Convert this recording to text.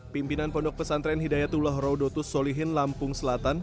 pimpinan pondok pesantren hidayatullah raudotus solihin lampung selatan